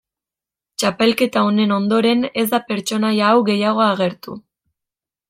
Txapelketa honen ondoren ez da pertsonaia hau gehiago agertu.